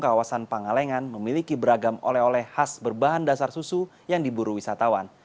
kawasan pangalengan memiliki beragam oleh oleh khas berbahan dasar susu yang diburu wisatawan